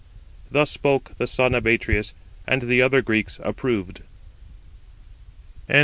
Thus spoke the son of Atreus, and the other Greeks approved.